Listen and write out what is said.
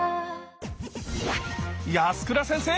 安倉先生！